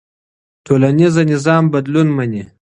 ټولنيز نظام بدلون مني.